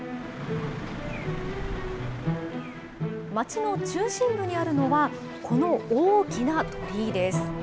街の中心部にあるのは、この大きな鳥居です。